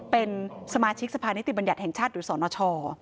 เป็นสมาชิกสภานิติบัญญัติแห่งชาติหรือสนช